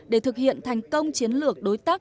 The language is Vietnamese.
để thực hiện thành công chiến lược đối tắc